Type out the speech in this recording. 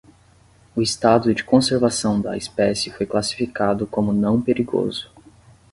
O estado de conservação da espécie foi classificado como não perigoso.